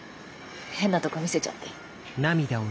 変なとこ見せちゃって。